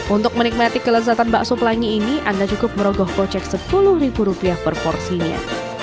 untuk menikmati kelezatan bakso pelangi ini anda cukup merogoh kocek rp sepuluh per porsinya